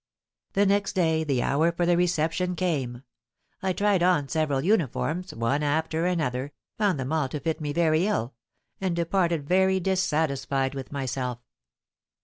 The next day the hour for the reception came. I tried on several uniforms one after another, found them all to fit me very ill, and departed very dissatisfied with myself.